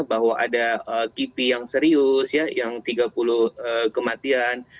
bahwa ada kipi yang serius yang tiga puluh kematian